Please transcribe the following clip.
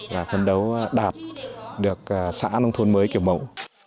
và phấn đấu đạt được xã nông thôn mới kiểu mẫu